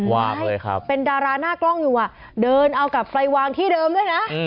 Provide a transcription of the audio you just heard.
เลยครับเป็นดาราหน้ากล้องอยู่เดินเอากลับไปวางที่เดิมด้วยนะ